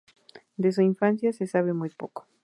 De su infancia se sabe muy poco.